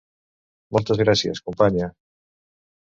Moltes gràcies, companya.